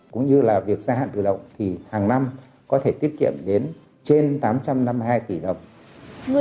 cũng như là việc gia hạn tự động thì hàng năm có thể tiết kiệm đến trên tám trăm năm mươi hai tỷ đồng